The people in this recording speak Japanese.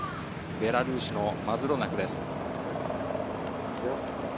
ベラルーシのマズロナクです。